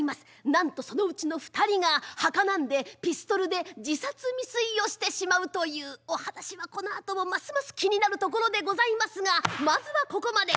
なんとそのうちの２人がはかなんでピストルで自殺未遂をしてしまうというお話はこのあともますます気になるところでございますがまずはここまで。